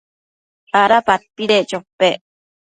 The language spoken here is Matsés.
¿ada padpedec chopec?